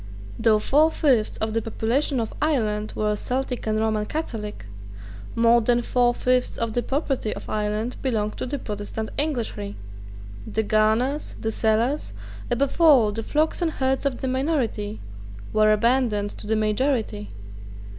Though four fifths of the population of Ireland were Celtic and Roman Catholic, more than four fifths of the property of Ireland belonged to the Protestant Englishry. The garners, the cellars, above all the flocks and herds of the minority, were abandoned to the majority.